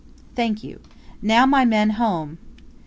"Thank you. Now, my men, Home!